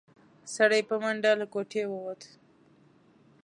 سړی په منډه له کوټې ووت.